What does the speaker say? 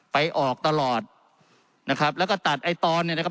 ไปออกตลอดนะครับแล้วก็ตัดไอ้ตอนเนี่ยนะครับ